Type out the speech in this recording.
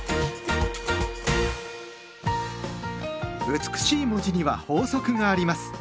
美しい文字には法則があります。